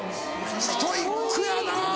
ストイックやな！